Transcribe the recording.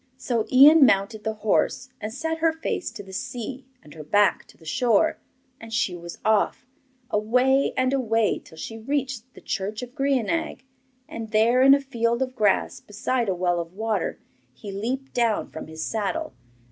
So Ian mounted the horse and set her face to the sea and her back to the shore, and she was off, away and away till she reached the church of Grianaig, and there, in a field of grass, beside a well of water, he leaped down from his saddle.